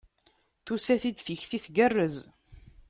Tusa-t-id tikti tgerrez.